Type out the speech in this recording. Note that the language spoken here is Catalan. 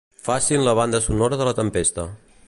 Facin la banda sonora de la tempesta.